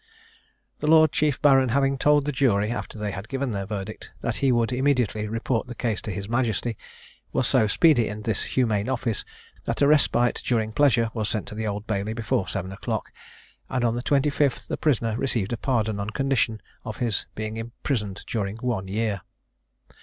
The Lord Chief Baron having told the jury, after they had given their verdict, that he would immediately report the case to his Majesty, was so speedy in this humane office, that a respite during pleasure was sent to the Old Bailey before seven o'clock, and on the twenty fifth, the prisoner received a pardon on condition of his being imprisoned during one year.